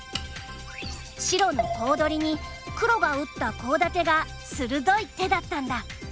白のコウ取りに黒が打ったコウ立てが鋭い手だったんだ。